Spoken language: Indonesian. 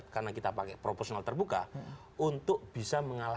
kepala kepala kepala